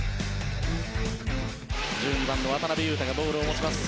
１２番の渡邊雄太がボールを持ちます。